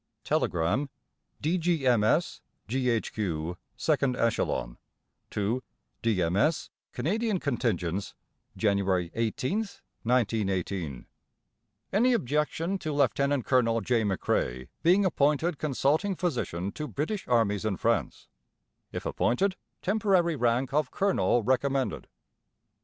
Telegram: D.G.M.S., G.H.Q., 2nd Echelon. To D.M.S. Canadian Contingents, January 18th, 1918: Any objection to Lieut. Col. J. McCrae being appointed Consulting Physician to British Armies in France. If appointed, temporary rank of Colonel recommended.